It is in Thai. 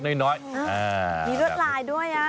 มีรถลายด้วย